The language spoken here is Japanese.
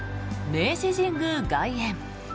明治神宮外苑。